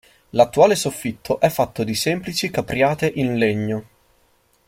L'attuale soffitto è fatto di semplici capriate in legno.